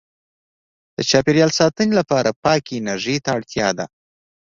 • د چاپېریال ساتنې لپاره پاکې انرژۍ ته اړتیا ده.